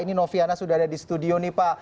ini noviana sudah ada di studio nih pak